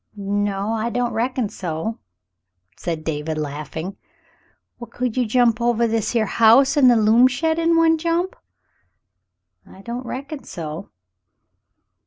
"No, I don't reckon so," said David, laughing. "Well, could you jump ovah this here house and the loom shed in one jump ?*^ "I don't reckon so."